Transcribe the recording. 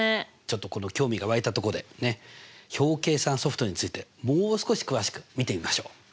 ちょっと興味が湧いたとこで表計算ソフトについてもう少し詳しく見てみましょう。